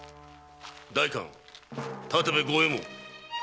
代官・建部郷右衛門。